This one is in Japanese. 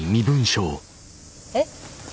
えっ！？